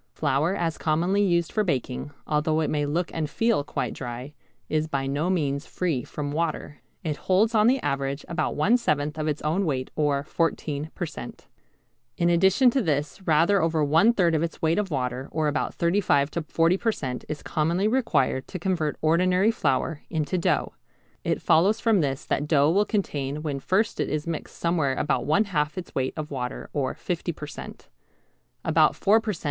Flour as commonly used for baking, although it may look and feel quite dry, is by no means free from water. It holds on the average about one seventh of its own weight or 14 per cent. In addition to this rather over one third of its weight of water or about 35 to 40 per cent. is commonly required to convert ordinary flour into dough. It follows from this that dough will contain when first it is mixed somewhere about one half its weight of water or 50 per cent. About four per cent.